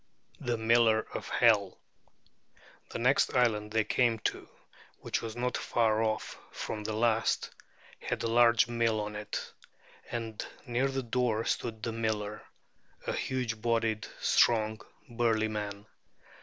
THE MILLER OF HELL The next island they came to, which was not far off from the last, had a large mill on it; and near the door stood the miller, a huge bodied, strong, burly man.